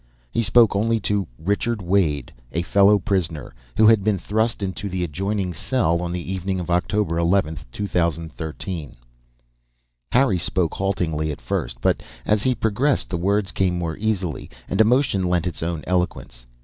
He spoke only to Richard Wade, a fellow prisoner who had been thrust into the adjoining cell on the evening of October 11th, 2013. Harry spoke haltingly at first, but as he progressed the words came more easily, and emotion lent its own eloquence.